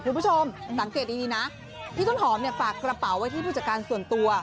คุณผู้ชมสังเกตดีนะพี่ต้นหอมเนี่ยฝากกระเป๋าไว้ที่ผู้จัดการส่วนตัว